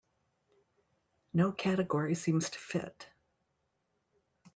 No category seems to fit.